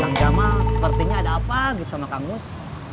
kang jamal sepertinya ada apa gitu sama kang mus